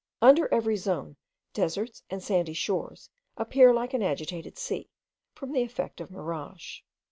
Under every zone, deserts and sandy shores appear like an agitated sea, from the effect of mirage.